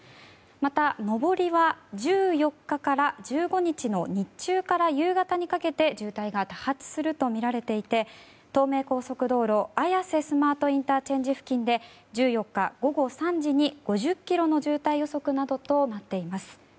また、上りは１４日から１５日の日中から夕方にかけて渋滞が多発するとみられていて東名高速道路綾瀬スマートＩＣ付近で１４日午後３時に５０ｋｍの渋滞予測などとなっています。